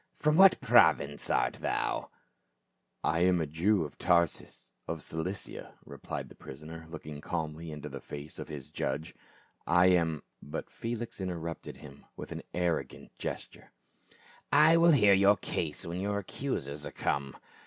" From what province art thou ?"" I am a Jew of Tarsus, of Cilicia," replied the PAUL AND FELIX. 405 prisoner looking calmly into the face of his judge. " I am—" But Felix interrupted him with an arrogant gesture. " I will hear your case when your accusers are come.